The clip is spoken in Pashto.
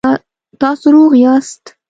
تاسو روغ یاست؟